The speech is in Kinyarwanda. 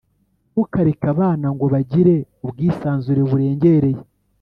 Ntukareke abana ngo bagire ubwisanzure burengereye